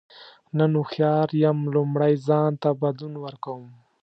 نن هوښیار یم لومړی ځان ته بدلون ورکوم.